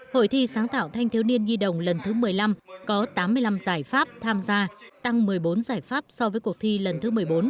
hội thi sáng tạo thanh thiếu niên nhi đồng lần thứ một mươi năm có tám mươi năm giải pháp tham gia tăng một mươi bốn giải pháp so với cuộc thi lần thứ một mươi bốn